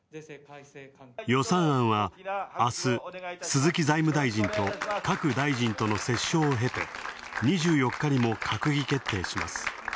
予算案は、あす、鈴木財務大臣と各大臣との折衝を経て、２４日にも閣議決定します。